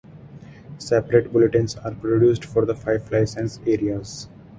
Separate bulletins are produced for the five licence areas.